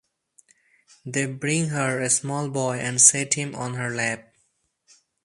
They bring her a small boy and set him on her lap.